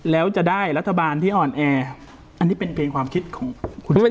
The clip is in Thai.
แล้วจะได้รัฐบาลที่อ่อนแออันนี้เป็นเพลงความคิดของคุณด้วย